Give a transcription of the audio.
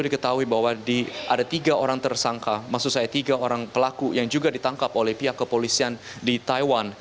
diketahui bahwa ada tiga orang tersangka maksud saya tiga orang pelaku yang juga ditangkap oleh pihak kepolisian di taiwan